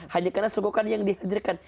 hanya karena sugokan yang dihadirkan